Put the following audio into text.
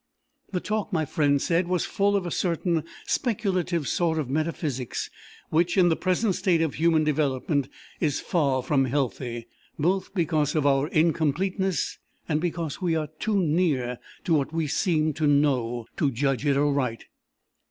The talk, my friend said, was full of a certain speculative sort of metaphysics which, in the present state of human development, is far from healthy, both because of our incompleteness, and because we are too near to what we seem to know, to judge it aright.